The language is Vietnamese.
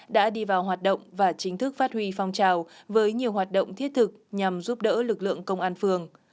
đã đi vào hoạt động và chính thức phát huy phong trào với nhiều hoạt động thiết thực nhằm giúp đỡ lực lượng công an phường